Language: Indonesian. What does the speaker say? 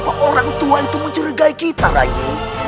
apa apa orang tua itu mencurigai kita rayi